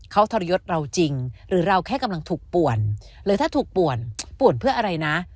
เขาทรยศเราจริงหรือเราแค่กำลังถูกป่วนหรือถ้าถูกป่วนป่วนเพื่ออะไรนะ